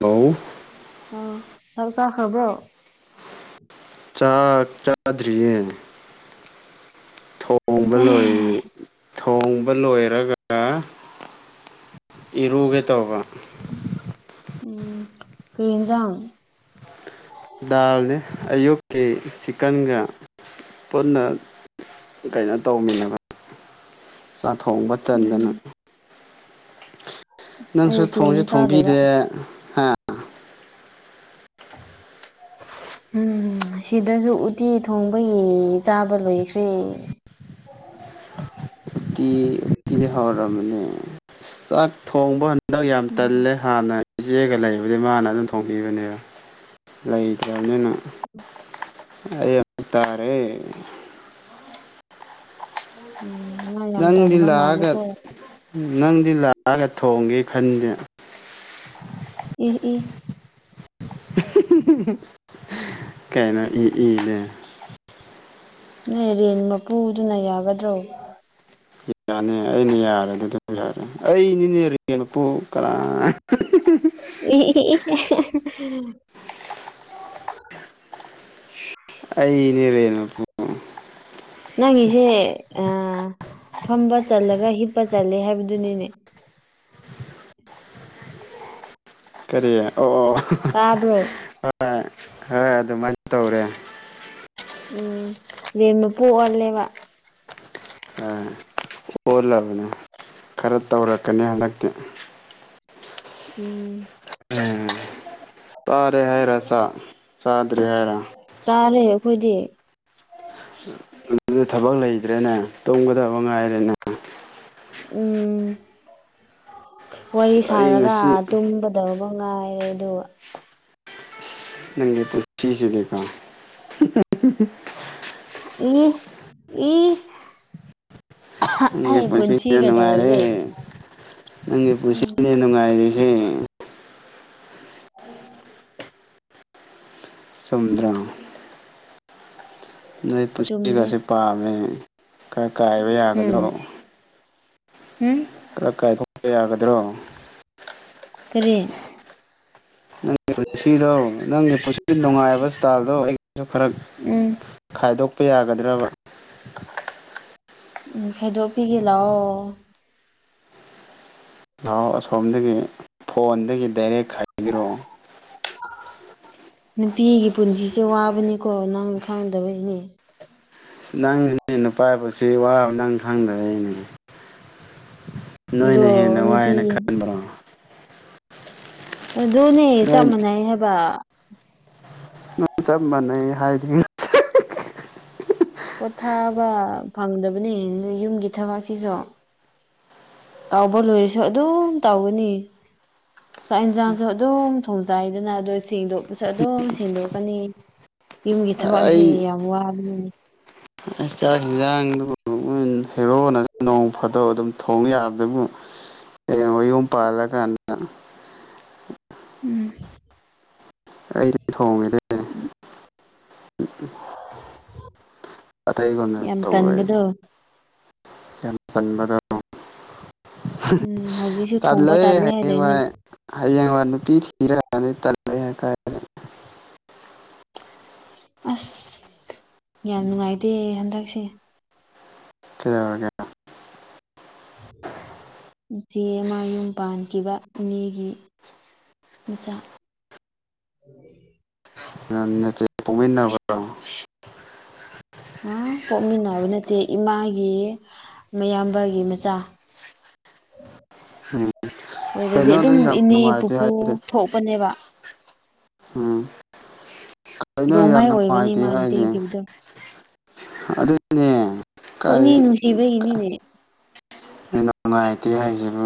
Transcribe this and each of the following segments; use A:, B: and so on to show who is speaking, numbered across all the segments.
A: ꯂꯣ
B: ꯑꯣ ꯆꯥꯛ ꯆꯥꯈ꯭ꯔꯥꯕ꯭ꯔꯣ
A: ꯆꯥꯛ ꯆꯥꯗ꯭ꯔꯤꯌꯦ ꯊꯣꯡꯕ ꯂꯣꯏ
B: ꯎꯝ
A: ꯊꯣꯡꯕ ꯂꯣꯏꯔꯒ ꯏꯔꯨꯒꯦ ꯇꯧꯕ
B: ꯎꯝ ꯎꯝ ꯀꯩ ꯏꯟꯖꯥꯡ
A: ꯗꯥꯜꯅꯦ ꯑꯌꯨꯛꯀꯤ ꯆꯤꯀꯟꯒ ꯄꯨꯟꯅ ꯀꯩꯅꯣ ꯇꯧꯃꯤꯟꯅꯕ ꯆꯥꯛ ꯊꯣꯡꯕ
B: ꯎꯝ
A: ꯇꯟꯗꯅ ꯅꯪꯁꯨ
B: ꯑꯌꯨꯛꯀꯤ
A: ꯊꯣꯡꯁꯨ
B: ꯑꯃꯨꯛ ꯆꯥꯗꯣꯏꯕ
A: ꯊꯣꯡꯕꯤꯗꯦ ꯍꯥ
B: [unintelligible] ꯎꯝ ꯁꯤꯗꯁꯨ ꯎꯠꯇꯤ ꯊꯣꯡꯕꯒꯤ ꯆꯥꯕ ꯂꯣꯏꯈ꯭ꯔꯦ
A: ꯎꯇꯤ ꯎꯇꯤꯗꯤ ꯍꯧꯔꯛꯑꯝꯕꯅꯦ ꯆꯥꯛ ꯊꯣꯡꯕ ꯍꯟꯗ ꯌꯥꯝ
B: ꯎꯝ
A: ꯇꯜꯂꯦ ꯍꯥꯟꯅ ꯏꯆꯦꯒ ꯂꯩꯕꯗꯤ ꯃꯥꯅ ꯑꯗꯨꯝ ꯊꯣꯡꯕꯤꯕꯅꯦꯕ ꯂꯩꯇ꯭ꯔꯅꯤꯅ ꯑꯩ ꯑꯃꯨꯛ ꯇꯥꯔꯦ
B: ꯎꯝ ꯅꯪ ꯌꯥꯝ
A: ꯅꯪꯗꯤ
B: ꯇꯟꯕ
A: ꯂꯥꯛꯑꯒ
B: ꯃꯥꯜꯂꯤꯀꯣ
A: ꯅꯪꯗꯤ ꯂꯥꯛꯑꯒ ꯊꯣꯡꯒꯦ ꯈꯟꯗꯦ
B: ꯑ‌ꯦ ꯑꯦ
A: ꯀꯩꯅꯣ ꯏ ꯏꯅꯦ
B: ꯅ‌ꯣꯏ ꯔꯦꯟ ꯃꯄꯨꯗꯨꯅ ꯌꯥꯒꯗ꯭ꯔꯣ
A: ꯌꯥꯅꯤ ꯑꯩꯅ ꯌꯥꯔꯦ ꯑꯗꯨ ꯑꯗꯨꯝ ꯌꯥꯔꯦ ꯑꯩꯅꯤꯅꯦ ꯔꯅꯄꯨ ꯀꯅꯥꯥ
B: [unintelligible]
A: ꯑꯩꯅꯦꯔꯦꯟ
B: ꯅꯪꯒꯤꯁꯦ ꯐꯝꯕ ꯆꯜꯂꯒ ꯍꯤꯞꯄ ꯆꯠꯂꯦ ꯍꯥꯏꯕꯗꯨꯅꯤꯅꯦ
A: ꯀꯔꯤ ꯑꯣ ꯑꯣ
B: ꯇꯥꯗ꯭ꯔꯣ
A: ꯍꯣꯏ ꯍꯣꯏ ꯑꯗꯨꯃꯥꯏꯅ ꯇꯧꯔꯦ
B: ꯎꯝꯦꯝꯅ ꯄꯣꯛ ꯑꯣꯜꯂꯦꯕ
A: ꯑ ꯑꯣꯜꯂꯕꯅꯤ ꯈꯔ ꯇꯧꯔꯛꯀꯅꯤ ꯍꯟꯗꯛꯇꯤ
B: ꯎꯝ
A: ꯇꯥꯔꯦ ꯍꯥꯏꯔ ꯆꯥꯗ꯭ꯔꯦ ꯍꯥꯏꯔ
B: ꯆꯥꯔꯦ ꯑꯩꯈꯣꯏꯗꯤ
A: ꯑꯗꯨꯗ ꯊꯕꯛ ꯂꯩꯇ꯭ꯔꯦꯅꯦ ꯇꯨꯝꯒꯗꯕ ꯉꯥꯏꯔꯦꯅꯦ
B: ꯎꯝ ꯋꯥꯔꯤ
A: ꯑꯁ ꯑꯩ
B: ꯁꯥꯔꯒ
A: ꯉꯁꯤ
B: ꯑꯗꯨꯝ ꯇꯧꯔꯒ ꯉꯥꯏꯔꯦ ꯑꯗꯨꯒ
A: ꯅꯪ ꯅꯨꯄꯤ ꯊꯤꯈꯤꯔ‌ꯣꯏꯗ꯭ꯔ‌ꯣ
B: ꯏ ꯏ
A: ꯅꯪꯒꯤ
B: ꯑꯩ ꯄꯨꯟꯁꯤ
A: ꯄꯨꯟꯁꯤꯁꯦ ꯅꯨꯡꯉꯥꯏꯔꯦ
B: ꯀꯗꯧꯔꯒꯦ
A: ꯅꯪꯒꯤ ꯄꯨꯁꯤꯅ‌ꯦ ꯉꯥꯏꯔꯤꯁꯦ
B: ꯎꯝ
A: ꯆꯨꯝꯗ꯭ꯔꯥ ꯅꯣꯏ
B: ꯆꯨꯝꯗꯦ
A: ꯄꯨꯟꯁꯤꯁꯤꯒꯁꯤꯦ ꯄꯥꯝꯃꯦ ꯈꯔ ꯀꯥꯏꯕ ꯌꯥꯒꯗꯣ
B: ꯎꯝ ꯎꯝ
A: ꯈꯔ ꯀꯥꯏꯊꯄ ꯌꯥꯒꯗ꯭ꯔꯣ
B: ꯀꯔꯤ
A: ꯅꯪꯒꯤ ꯄꯨꯟꯁꯤꯗꯣ ꯅꯪꯒꯤ ꯄꯨꯟꯁꯤ ꯅꯨꯡꯉꯥꯏꯕ ꯏꯁꯇꯥꯏꯜꯗꯣ ꯑꯩꯒꯤꯁꯨ ꯈꯔ
B: ꯎꯝ
A: ꯈꯥꯏꯗꯣꯛꯄ ꯌꯥꯒꯗ꯭ꯔꯕ
B: ꯎꯝ ꯈꯥꯏꯗꯣꯛꯄꯤꯒꯦ ꯂꯥꯛꯑꯣ
A: ꯅꯍꯥꯛ ꯑꯁꯣꯝꯗꯒꯤ ꯐꯣꯟꯗꯒꯤ ꯗꯥꯏꯔꯦꯛ ꯈꯥꯏꯕꯤꯔꯛꯑꯣ
B: ꯅꯨꯄꯤꯒꯤ ꯄꯨꯟꯁꯤꯁꯦ ꯋꯥꯕꯅꯤꯀꯣ ꯅꯪ ꯈꯥꯡꯗꯕꯩꯅꯦ
A: ꯅꯪꯁꯨꯅꯦ ꯅꯨꯄꯥ ꯄꯨꯟꯁꯤ ꯋꯥ ꯅꯪ ꯈꯪꯗꯕꯩꯅ‌ꯦ
B: ꯑꯗꯣ
A: ꯅꯣꯏꯅ ꯍꯦꯟꯅ ꯋꯥꯏ
B: ꯅꯨꯄꯤ
A: ꯍꯥꯏꯅ ꯈꯟꯕ꯭ꯔꯣ
B: ꯑꯗꯨꯅꯦ
A: ꯅꯣꯏ
B: ꯆꯞ ꯃꯥꯟꯅꯩ ꯍꯥꯏꯕ
A: ꯅꯪ ꯆꯞ ꯃꯥꯟꯅꯩ ꯍꯥꯏꯗꯤ
B: ꯄꯣꯊꯥꯕ ꯐꯪꯗꯕꯅꯤ ꯅꯣꯏ ꯌꯨꯝꯒꯤ ꯊꯕꯛꯁꯤꯁꯨ ꯇꯧꯕ ꯂꯣꯏꯔꯁꯨ ꯑꯗꯨꯝ ꯇꯧꯒꯅꯤ ꯆꯥꯛ ꯏꯟꯁꯥꯡꯁꯨ ꯑꯗꯨꯝ ꯊꯣꯡ ꯆꯥꯏꯗꯅ ꯑꯗꯣ ꯁꯦꯡꯗꯣꯛꯄꯁꯨ ꯑꯗꯨꯝ ꯁꯦꯡꯗꯣꯛꯀꯅꯤ ꯌꯨꯝꯒꯤ ꯊꯕꯛ ꯑꯁꯦ ꯌꯥꯝ ꯋꯥꯕꯅꯤꯅ‌ꯦ
A: ꯑꯩ ꯆꯥꯛ ꯍꯤꯟꯖꯥꯡꯗꯨ ꯅꯣꯢ ꯍꯦꯔꯣꯅ ꯅꯣꯡ ꯐꯥꯗꯣꯛ ꯑꯗꯨꯝ ꯊꯣꯡ ꯌꯥꯕꯗꯕꯨ ꯍꯌꯦꯡꯋꯥꯢ ꯌꯨꯝ ꯄꯥꯜꯂꯀꯥꯟꯗ
B: ꯎꯝ
A: ꯑꯩꯗꯤ ꯊꯣꯡ [unintelligible]
B: [unintelligible]
A: ꯑꯇꯩꯒꯅ
B: ꯌꯥꯝ
A: ꯇꯧꯔꯦꯣꯏ
B: ꯇꯟꯕꯗꯣ
A: ꯌꯥꯝ ꯇꯟꯕꯗ‌ꯣ
B: ꯎꯝ ꯍꯧꯖꯤꯛ
A: ꯇꯜꯂꯣꯏ ꯍꯌꯦꯡꯋꯥꯏ ꯍꯌꯦꯡꯋꯥꯏ ꯅꯨꯄꯤ ꯊꯤꯔꯀꯥꯟꯗꯤ ꯇꯜꯂꯣꯏ ꯍꯥꯏꯇꯥꯏ
B: ꯑꯁ ꯌꯥꯝ ꯅꯨꯡꯉꯥꯏꯇꯦꯍ‌ꯦ ꯍꯟꯗꯛꯁꯦ
A: ꯀꯩꯗꯧꯔꯒꯦ
B: ꯏꯆꯦ ꯑꯃ ꯌꯨꯝ ꯄꯥꯟꯈꯤꯕ ꯏꯅ‌ꯦꯒꯤ ꯃꯆꯥ
A: ꯅꯪ ꯅꯆꯦ ꯄꯣꯛꯃꯤꯟꯅꯕꯔꯣ
B: ꯑ ꯄꯣꯛꯃꯤꯟꯅꯕ ꯅꯠꯇꯦ ꯏꯃꯥꯒꯤ ꯃꯌꯥꯝꯕꯒꯤ ꯃꯆꯥ
A: ꯎꯝ
B: ꯑꯗꯨꯗꯤ
A: ꯀꯩꯅꯣ ꯑꯗꯨ
B: ꯑꯗꯨꯝ
A: ꯌꯥꯝ
B: ꯏꯅꯦ
A: ꯅꯨꯡꯉꯥꯏꯇꯦ
B: ꯄꯨꯄꯨ
A: ꯍꯥꯏꯗꯤ
B: ꯊꯣꯛꯄꯅꯦꯕ
A: ꯎꯝ ꯀꯩꯅꯣ ꯌꯥꯝ
B: ꯔꯣꯡꯃꯥꯏ ꯑꯣꯏꯕꯅꯤ
A: ꯅꯨꯡꯉꯥꯏꯇꯦ
B: ꯃꯥꯅ
A: ꯍꯥꯏꯗꯤ
B: ꯆꯦꯟꯈꯤꯕꯗꯣ
A: ꯑꯗꯨꯏꯅꯦ
B: ꯄꯨꯛꯅꯤꯡ
A: ꯀꯥꯢꯗꯩ ꯀ
B: ꯅꯨꯡꯁꯤꯕꯒꯤꯅꯤꯅꯦ
A: ꯑ ꯅꯨꯡꯉꯥꯏꯇꯦ ꯍꯥꯏꯁꯤꯕꯨ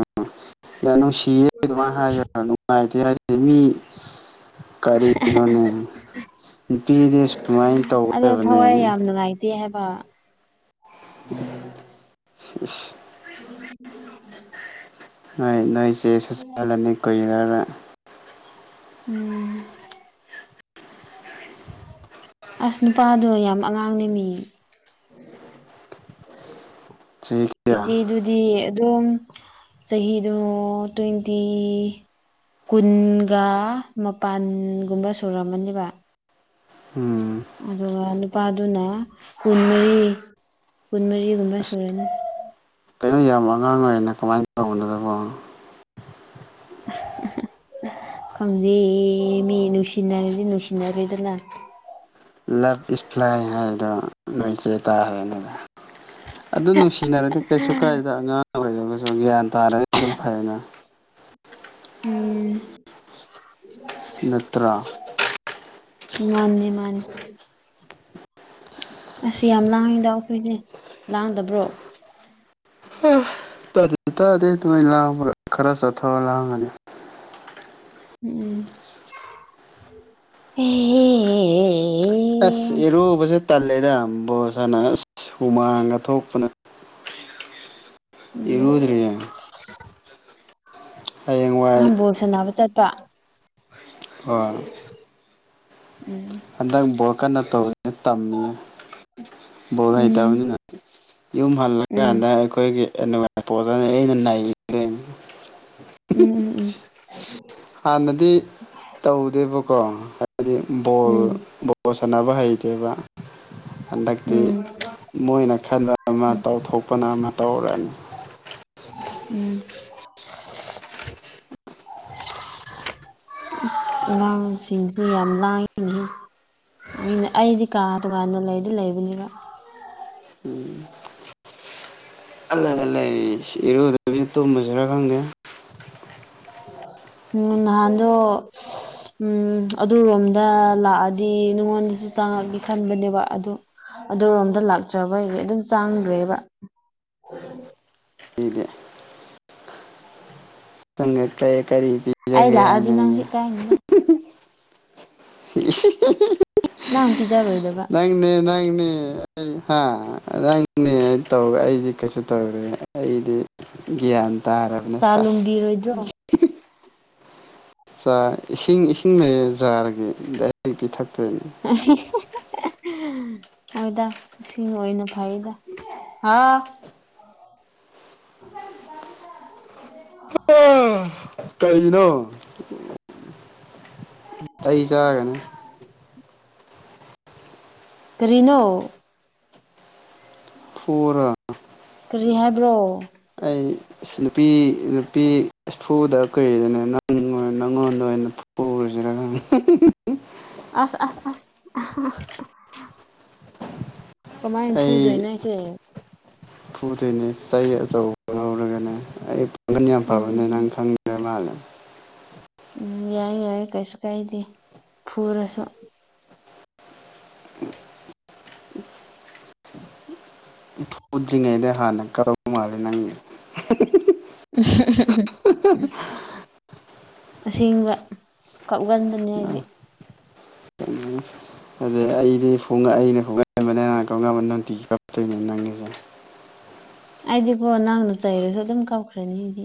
A: ꯌꯥꯝ ꯅꯨꯡꯁꯤꯌꯦ ꯑꯗꯨꯃꯥꯏꯅ ꯍꯥꯏ [unintelligible] ꯅꯨꯡꯉꯥꯏꯇꯦ ꯍꯥꯏꯗꯤ ꯃꯤ ꯀꯔꯤꯒꯤꯅꯣꯅꯦ ꯅꯨꯄꯤꯗꯤ ꯁꯨꯃꯥꯏꯅ ꯇꯧꯒꯗꯕꯅꯦ
B: ꯇꯦ ꯍꯥꯏꯕ
A: ꯏꯁ ꯏꯁ
B: [unintelligible]
A: ꯍꯣꯏ ꯅꯣꯏ ꯆꯦꯁꯨ ꯆꯠꯂꯅꯤ ꯀꯨꯏꯔꯔꯣꯢ
B: ꯎꯝ ꯑꯁ ꯅꯨꯄꯥꯗꯣ ꯌꯥꯝ ꯑꯉꯥꯡꯅꯦꯃꯤ
A: ꯆꯍꯤ ꯀꯌꯥ
B: ꯏꯆꯦꯗꯨꯗꯤ ꯑꯗꯨꯝ ꯆꯍꯤꯗꯨ ꯇ꯭ꯋꯦꯟꯇꯤ ꯀꯨꯟꯒ ꯃꯄꯥꯟꯒꯨꯝꯕ ꯁꯨꯔꯝꯃꯅꯦꯕ
A: ꯎꯝ
B: ꯑꯗꯨꯒ ꯅꯨꯄꯥꯗꯨꯅ ꯀꯨꯟꯃꯔꯤ ꯀꯨꯟꯃꯔꯤꯒꯨꯝꯕ
A: ꯑꯁ
B: ꯁꯨꯔꯅꯤ
A: ꯀꯩꯅꯣ ꯌꯥꯝ ꯑꯉꯥꯡ ꯑꯣꯏꯅ ꯀꯃꯥꯏꯟ ꯇꯧꯕꯅꯣ ꯗꯨꯕꯨ
B: [unintelligible] ꯈꯪꯗꯦ ꯃꯤ ꯅꯨꯡꯁꯤꯅꯔꯗꯤ ꯅꯨꯡꯁꯤꯅꯔꯦꯗꯅ
A: ꯂꯞ ꯏꯁ ꯕ꯭ꯂꯥꯏꯟ ꯍꯥꯏꯕꯗꯣ ꯅꯣꯏ ꯆ‌ꯦ ꯇꯥꯈ꯭ꯔ‌ꯦꯅꯤ ꯑꯗꯨ ꯅꯨꯡꯁꯤꯅꯔꯗꯤ ꯀꯩꯁꯨ ꯀꯥꯏꯗ‌ꯦꯗ ꯑꯉꯥꯡ ꯑꯣꯏꯔꯒꯁꯨ ꯒ꯭ꯌꯥꯟ ꯇꯥꯔꯗꯤ ꯑꯗꯨꯝ ꯐꯩꯅꯥ
B: ꯎꯝ
A: ꯐꯤ ꯅꯠꯇ꯭ꯔꯥ
B: ꯃꯥꯅ‌ꯦ ꯃꯥꯟ ꯑꯁ ꯌꯥꯝ ꯂꯥꯡꯉꯤꯗ ꯑꯩꯈꯣꯏꯁꯦ ꯂꯥꯡꯗꯕ꯭ꯔꯣ
A: ꯇꯥꯗ ꯇꯥꯗꯦ ꯑꯗꯨꯃꯥꯏꯅ ꯂꯥꯡꯕꯒ ꯈꯔ ꯆꯠꯊꯣꯛꯑ ꯂꯥꯡꯉꯗꯤ
B: ꯎꯝ ꯎꯝ ꯑꯦ
A: ꯑꯁ ꯏꯔꯨꯕꯁꯦ ꯇꯜꯂꯦꯗ ꯕꯣꯜꯅ ꯁꯥꯟꯅꯔ [unintelligible] ꯍꯨꯃꯥꯡꯒ ꯊꯣꯛꯄꯅ
B: ꯎꯝ
A: ꯏꯔꯨꯗ꯭ꯔꯤ
B: ꯅꯪ
A: ꯍꯌꯦꯡꯋꯥꯏ
B: ꯕꯣꯜ ꯁꯥꯟꯅꯕ ꯆꯠꯄ꯭ꯔꯥ
A: ꯑꯥ
B: ꯎꯝ
A: ꯍꯟꯗꯛ ꯕꯣꯠ ꯀꯟꯅ ꯇꯧꯔꯤꯌ‌ꯦ ꯇꯝꯃꯤꯌꯦ ꯕꯣꯜ
B: ꯎꯝ
A: ꯍꯩꯇꯕꯅꯤꯅ ꯌꯨꯝ
B: ꯎꯝ
A: ꯍꯜꯂꯀꯥꯟꯗ ꯑꯩꯈꯣꯏꯒꯤ ꯑꯏ [unintelligible] ꯄꯣꯠꯅꯤ ꯑꯩꯅ ꯅꯅꯤ [unintelligible]
B: ꯎꯝ ꯎꯝ ꯎꯝ
A: ꯍꯥꯟꯅꯗꯤ ꯇꯧꯗꯦꯕꯀꯣ ꯍꯥꯏꯕꯗꯤ ꯕꯣꯜ
B: ꯎꯝ
A: ꯕ‌ꫭꯜ ꯕꫭꯜ ꯁꯥꯟꯅꯕ ꯍꯩꯇꯦꯕ ꯍꯟꯗꯛꯇꯤ
B: ꯎꯝ
A: ꯃꯣꯏꯅ ꯈꯟꯕꯅꯥ ꯑꯃꯥ ꯇꯧꯊꯣꯛꯄꯅꯥ ꯑꯃꯥ ꯇꯧꯔꯅꯤ
B: ꯎꯝ ꯑꯁ ꯑꯉꯥꯡꯁꯤꯡꯁ‌ꯦ ꯌꯥꯝ ꯂꯥꯡꯉꯅꯤꯍ‌ꯦ ꯑꯩꯅꯥ ꯑꯩꯗꯤ ꯀꯥ ꯊꫭꯉꯥꯟꯅꯥ ꯂꯩꯗꯤ ꯂꯩꯕꯅꯦꯕ
A: ꯎꯝ ꯈꯜꯂꯒꯥ ꯂꯩ ꯏꯁ ꯏꯔꯨꯗꯕꯤ ꯇꯨꯝꯃꯁꯤꯔꯥ ꯈꯪꯗꯦ
B: ꯎꯝ ꯅꯥꯍꯥꯟꯗꫭ ꯎꯝ ꯑꯗꯨꯔꯣꯝꯗ ꯂꯥꯛꯑꯗꯤ ꯅꯉꯣꯟꯗꯁꯨ ꯆꯥꯡꯉꯛꯒ‌ꯦ ꯈꯟꯕꯅꯦꯕ ꯑꯗꯨ ꯑꯗꯨꯔꯣꯝꯗ ꯂꯥꯛꯇ꯭ꯔꯥꯕꯒꯤ ꯑꯗꯨꯝ ꯆꯥꯡꯗ꯭ꯔꯦꯕ ꯑꯣ [unintelligible] [unintelligible]
A: ꯄꯤꯗ‌ꯦ ꯆꯪꯉꯛꯈ꯭ꯔꯦ ꯀꯔꯤ
B: ꯑꯩ
A: ꯄꯤꯖꯒꯦ
B: ꯂꯥꯛꯑꯗꯤ
A: ꯍꯥꯏꯅ ꯑꯩꯒꯤ
B: ꯅꯪꯁꯦ
A: ꯑꯦ
B: ꯏꯀꯥꯏꯅꯤꯗ
A: [unintelligible]
B: ꯅꯪ ꯄꯤꯖꯔꯣꯏꯗꯕ
A: ꯅꯪꯪꯅꯦ ꯅꯪꯅꯦ ꯍꯥ ꯅꯪꯅ‌ꯦ ꯇꯧ ꯑꯩꯗꯤ ꯀꯩꯁꯨ ꯇꯧꯔꫭꯏꯌ‌ꯦ ꯑꯩꯗꯤ ꯒ꯭ꯌꯥꯟ ꯇꯥꯔꯔꯕꯅꯦ
B: ꯆꯥ
A: ꯆꯁ
B: ꯂꯨꯝꯕꯤꯔꯣꯏꯗ꯭ꯔꯣ
A: ꯆꯥꯛ ꯏꯁꯤꯡ ꯏꯁꯤꯡ ꯂꯩꯔꯥ ꯆꯥꯔꯒ‌ꯦ ꯗꯥꯏꯔ‌ꯦꯛ ꯄꯤꯊꯛꯇ꯭ꯔꯥꯖꯨ
B: ꯑ [unintelligible] ꯍꫭꯏꯗ ꯏꯁꯤꯡ ꯑꯣꯏꯅ ꯐꯩꯗ ꯍꯥ
A: ꯀꯔꯤꯅꯣ ꯆꯩ ꯆꯥꯒꯅꯤ
B: ꯀꯔꯤꯅꯣ ꯑꯣ [inaudible]
A: ꯐꯨꯔꫭ
B: ꯀꯔꯤ ꯍꯥꯏꯕ꯭ꯔꯣ
A: ꯑꯩ ꯑ ꯅꯨꯄꯤ ꯅꯨꯄꯤ ꯑꯁ ꯐꯨꯗ ꯀꯔ‌ꯦꯗꯅꯥ ꯅꯪ ꯅꯪꯉꯣꯟꯗ ꯑꯣꯏꯅ ꯐꯨꯔꯖꯤꯔꯥ ꯈꯪꯗ‌ꯦ
B: ꯑꯁ ꯑꯁ ꯑꯁ ꯀꯃꯥꯏꯅꯥ ꯐꯨꯗꯣꯏꯅꯣ ꯑꯩꯁꯦ
A: ꯐꯨꯗꫭꯏꯅꯦ ꯆꯩ ꯑꯆꯧꯕ ꯂꯧꯔꯒꯅꯦ ꯑꯩ ꯄꯥꯡꯒꯟ ꯌꯥꯝ
B: ꯎꯝ
A: ꯐꯕꯅꯦ ꯅꯪ
B: ꯎꯝ
A: ꯈꯪ ꯦ ꯃꯥꯂ [unintelligible]
B: ꯎꯝ ꯌꯥꯏꯌꯦ ꯌꯥꯏꯌ‌ꯦ ꯀꯩꯁꯨ ꯀꯥꯏꯗꯦ ꯐꯨꯔꯁꯨ
A: ꯎꯝ [unintelligible] ꯐꯨꯗ꯭ꯔꯤꯉꯩꯗ ꯍꯥꯟꯅ ꯀꯔꯧꯕ [unintelligible] ꯃꯥꯂꯦ ꯅꯪꯒꯤ
B: ꯑꯁꯦꯡꯕꯥ ꯀꯛꯒꯟꯕꯅꯤ ꯑꯩꯗꯤ
A: ꯎꯝ ꯑꯗꯨꯅ‌ꯦ ꯑꯩꯗꯤꯣꯡ ꯑꯩꯅ ꯐꯣꯡꯒꯕꯅꯦ ꯅ [unintelligible] ꯀꯧꯉꯝꯕ ꯅꯨꯡꯇꯤꯒꯤ ꯀꯥꯛꯇꯣꯏꯅꯦ ꯅꯪꯉꯤꯁꯦ [unintelligible]
B: ꯑꯩꯗꯤꯀꯣ ꯅꯪꯅ ꯆꯩꯔꯁꯨ ꯑꯗꯨꯝ ꯀꯞꯈ꯭ꯔꯅꯤꯗꯤ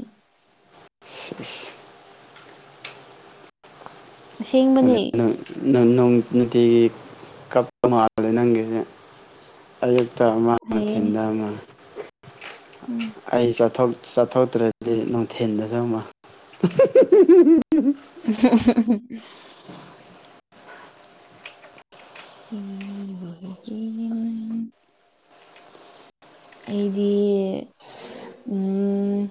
A: [unintelligible] ꯑꯗꯨꯅ
B: ꯑꯁꯦꯡꯕꯅꯦ
A: ꯅꯪ ꯅꯪ ꯅꯨꯡꯇꯤꯒꯤ ꯀꯞꯄ ꯃꯥꯜꯂꯦ ꯅꯪꯒꯤꯁꯦ ꯑꯌꯨꯛꯇ ꯑꯃ
B: ꯍꯥꯏꯌꯦ
A: ꯅꯨꯡꯊꯤꯟꯗ ꯑꯃ꯫
B: ꯎꯝ꯫
A: ꯑꯩ ꯆꯠꯊꯣꯛ ꯆꯠꯊꯣꯛꯇ꯭ꯔꯗꯤ ꯅꯨꯡꯊꯤꯟꯗꯁꯨ ꯑꯃ [unintelligible]
B: [unintelligible]
A: [inaudible]
B: [unintelligible] ꯑꯩꯗꯤ ꯎꯝ꯫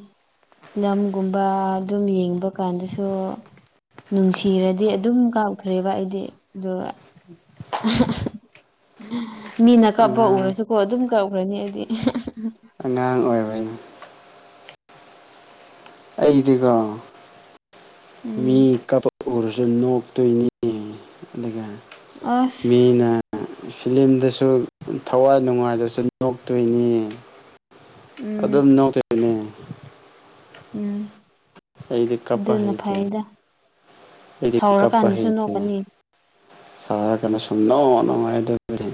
B: ꯂꯝꯒꯨꯝꯕ ꯑꯗꯨꯝ ꯌꯦꯡꯕ ꯀꯥꯟꯗꯁꯨ꯫ ꯅꯨꯡꯁꯤꯔꯗꯤ ꯑꯗꯨꯝ ꯀꯞꯈ꯭ꯔꯦꯕ ꯑꯩꯗꯤ ꯑꯗꯨꯒ ꯃꯤꯅ ꯀꯞꯄ
A: ꯑꯉꯥꯡ
B: ꯎꯔꯁꯨꯀꯣ ꯑꯗꯨꯝ ꯀꯞꯈ꯭ꯔꯅꯤ ꯑꯩꯗꯤ꯫
A: ꯑꯉꯥꯡ ꯑꯣꯏꯕꯩꯅ ꯑꯩꯗꯤꯕ [unintelligible] ꯃꯤ
B: ꯎꯝ
A: ꯀꯞꯄ ꯎꯔꯁꯨ ꯅꯣꯛꯇꯣꯏꯅꯤ ꯑꯗꯨꯒ
B: ꯑꯁ
A: ꯃꯤꯅ ꯐꯤꯂꯝꯗꯁꯨ ꯊꯋꯥꯏ ꯅꯨꯡꯉꯥꯏꯗꯁꯨ ꯅꯣꯛꯇꯣꯏꯅꯤ꯫
B: ꯎꯝ
A: ꯑꯗꯨꯝ ꯅꯣꯛꯇꯣꯢꯅꯦ꯫
B: ꯎꯝ꯫
A: ꯑꯩꯗꯤ ꯀꯞꯄ
B: ꯗꯨꯅ
A: ꯍꯩꯇꯦ
B: ꯐꯩꯗ
A: ꯑꯩꯗꯤ
B: ꯁꯥꯎꯔꯀꯥꯟꯗꯁꯨ ꯅꯣꯛꯀꯅꯤ꯫
A: ꯁꯥꯎꯔ ꯀꯥꯟꯗ ꯁꯨꯅꯣꯛ ꯅꯣꯑꯣꯢ ꯑꯗꯨꯗꯤ꯫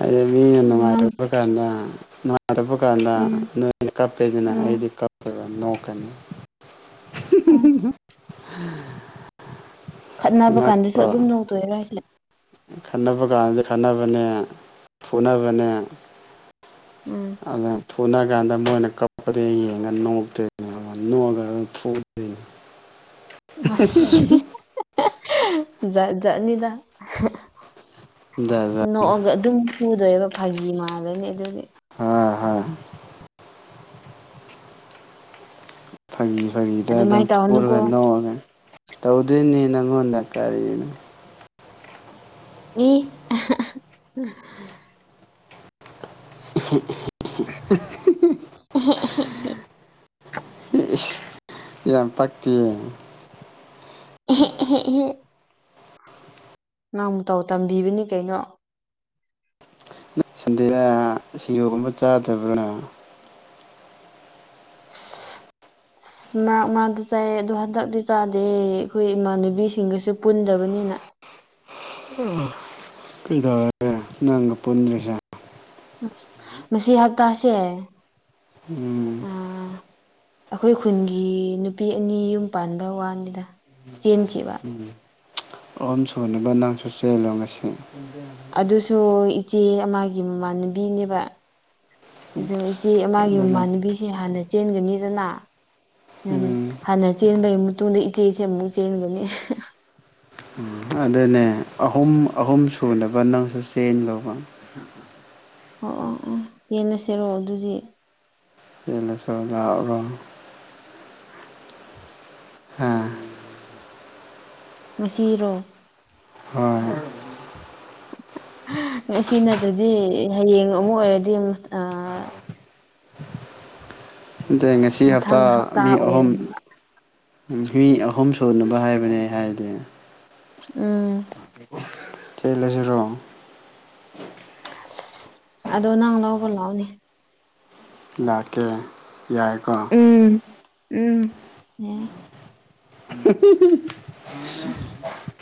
A: ꯑꯩꯗꯤ ꯃꯤꯅ
B: ꯎꯝ ꯅꯪ
A: ꯅꯨꯉꯥꯢꯇꯕꯀꯥꯟꯗ ꯇꯕꯀꯥꯟꯗ
B: ꯎꯝ
A: ꯅꯣꯏꯅ ꯀꯞꯄꯦꯗꯅ
B: ꯎꯝ
A: ꯑꯩꯗꯤ ꯀꯞꯄꯣꯏꯕ ꯅꯣꯛꯀꯅꯤ꯫
B: ꯎꯝ
A: [unintelligible]
B: ꯈꯠꯅꯕ ꯀꯥꯟꯗꯁꯨ
A: ꯅꯠꯇ꯭ꯔꯣ
B: ꯑꯗꯨꯝ ꯅꯣꯛꯇꯣꯏꯔ ꯍꯥꯏꯁꯦ
A: ꯈꯠꯅꯕ ꯀꯥꯟꯗ ꯈꯟꯅꯕꯅꯦ ꯐꯨꯅꯕꯅꯦ꯫
B: ꯎꯝ꯫
A: ꯑꯅ ꯐꯨꯅ ꯀꯥꯟꯗ ꯃꯣꯏꯅ ꯀꯥꯞꯄꯗ ꯌꯦꯡꯉ ꯅꯣꯛꯇꯣꯏꯅꯦ꯫ ꯅꯣꯛꯑꯒ [unintelligible] ꯐꯨꯗꯣꯢꯅꯦ꯫
B: [unintelligible] ꯖꯥꯠ ꯖꯥꯠꯅꯤꯗ꯫
A: [unintelligible]
B: ꯅꯣꯛꯑꯒ ꯑꯗꯨꯝ ꯐꯨꯗꯣꯏꯕ ꯐꯥꯒꯤ ꯃꯥꯜꯂꯅꯤ ꯑꯗꯨꯗꯤ
A: ꯍꯥꯥ ꯍꯥ꯫ ꯐꯥꯒꯤ ꯐꯥꯒꯤꯗ ꯑꯗꯨꯝ
B: ꯑꯗꯨꯃꯥꯏꯅ ꯇꯧꯅꯨꯀꯣ
A: ꯐꯨꯔꯒ ꯅꯣꯛꯔꯒ ꯇꯧꯗꯣꯏꯅꯦ ꯅꯪꯉꯣꯟꯗ ꯀꯔꯤꯅꯣ꯫
B: [unintelligible]
A: [unintelligible] ꯏꯁ ꯌꯥꯝ ꯄꯛꯇꯤꯌꯦ꯫
B: [unintelligible] ꯅꯪ ꯃꯇꯧ ꯇꯝꯕꯤꯕꯅꯤ ꯀꯩꯅꯣ꯫
A: ꯁꯟꯗꯦꯗ ꯁꯤꯔꯣꯒꯨꯝꯕ ꯆꯥꯗꯕ꯭ꯔ꯫
B: ꯑꯁ ꯃꯔꯛ ꯃꯔꯛꯇ ꯆꯥꯏꯌꯦ ꯑꯗꯣ ꯍꯟꯗꯛꯇꯤ ꯆꯥꯗꯦ ꯑꯩꯈꯣꯏ ꯏꯃꯥꯟꯅꯕꯤꯁꯤꯡꯒꯁꯨ ꯄꯨꯟꯗꯕꯅꯤꯅ꯫
A: [unintelligible] ꯀꯩꯗꯧꯔꯒꯦ ꯅꯪꯒ ꯄꯨꯟꯗ꯭ꯔꯤꯁꯦ꯫
B: ꯃꯁꯤ ꯍꯥꯞꯇꯥꯥꯁꯦ
A: ꯎꯝ
B: ꯑꯩꯈꯣꯏ ꯈꯨꯟꯒꯤ ꯅꯨꯄꯤ ꯑꯅꯤ ꯌꯨꯝ ꯄꯥꯟꯕ ꯋꯥꯅꯤꯗ ꯆꯦꯟꯈꯤꯕ
A: ꯎꯝ ꯑꯍꯨꯝ ꯁꯨꯅꯕ ꯅꯪꯁꯨ ꯆꯦꯜꯂꯣ ꯉꯁꯤ
B: ꯑꯗꯨꯁꯨ ꯏꯆꯦ ꯑꯃꯒꯤ ꯃꯃꯥꯟꯅꯕꯤꯅꯦꯕ ꯏꯆꯦ ꯑꯃꯒꯤ
A: ꯑꯗꯨꯅ
B: ꯃꯃꯥꯟꯅꯕꯤ ꯁꯤ ꯍꯥꯟꯅ ꯆꯦꯟꯒꯅꯤꯗꯅ
A: ꯎꯝ
B: ꯍꯥꯟꯅ ꯆꯦꯟꯕꯩ ꯇꯨꯗ ꯏꯆꯦꯁꯦ ꯑꯃꯨꯛ ꯆꯦꯟꯒꯅꯤ
A: ꯎ ꯑꯗꯨꯅꯦ ꯑꯍꯨꯝ ꯑꯍꯨꯝ ꯁꯨꯅꯕ ꯅꯪꯁꯨ ꯆꯦꯟ ꯂꯣꯕ
B: ꯑꯣ ꯑꯣ ꯑꯣ ꯇꯦꯟꯅꯁꯤꯔꯣꯑꯣ ꯑꯗꯨꯗꯤ
A: ꯌꯦꯂꯁꯨ ꯂꯥꯛꯎꯔ‌ꯣ ꯍꯥ
B: ꯉꯁꯤꯔꯣ
A: ꯍ‌ꯣꯏ
B: ꯉꯁꯤ ꯅꯠꯇꯗꯤ ꯍꯌꯦꯡ ꯑꯃꯨꯛ ꯑꯣꯏꯔꯗꯤ [unintelligible]
A: ꯑꯗ ꯉꯁꯤ ꯍꯞꯇꯥ
B: ꯃꯊꯪ
A: ꯃꯤ ꯑꯍꯨꯝ
B: ꯑꯣꯏꯔꯅꯤ
A: ꯃꯤ ꯑꯍꯨꯝ ꯁꯨꯅꯕ ꯍꯥꯏꯕꯅꯦ ꯑꯩ ꯍꯥꯏꯕꯗꯤ
B: ꯎꯝ
A: ꯆ‌ꯦꯜꯂꯁꯤꯔꯣ
B: ꯑꯗꯣ ꯅꯪ ꯂꯧꯕ ꯂꯥꯛꯑꯣꯅꯦ
A: ꯂꯥꯛꯀꯦ ꯌꯥꯏꯀꯣ
B: ꯎꯝ ꯎꯝ
A: [unintelligible]